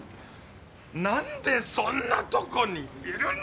何でそんなとこにいるの！